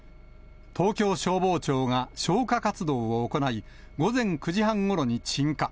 東京消防庁が消火活動を行い、午前９時半ごろに鎮火。